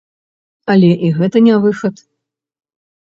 Але і гэта не выхад.